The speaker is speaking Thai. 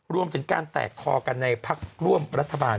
รวมถึงการแตกคอกันในพักร่วมรัฐบาล